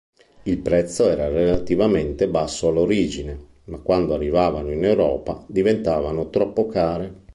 Il prezzo era relativamente basso all’origine, ma quando arrivavano in Europa diventavano troppo care.